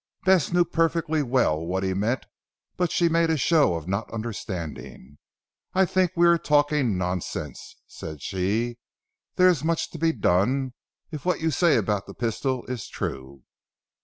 Bess knew perfectly well what he meant, but she made a show of not understanding. "I think we are talking nonsense," she said. "There is much to be done, if what you say about the pistol is true."